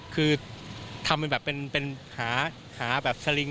คือทำเป็นหาแบบสลิง